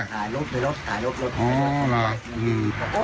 ถ่ายรูปถ่ายรูปเร่อร่ะ